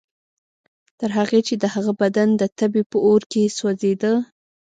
تر هغې چې د هغه بدن د تبې په اور کې سوځېده.